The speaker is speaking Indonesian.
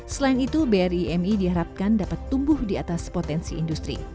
selain itu bri mi diharapkan dapat tumbuh di atas potensi industri